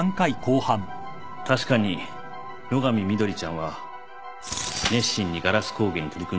確かに野上碧ちゃんは熱心にガラス工芸に取り組んでくれました。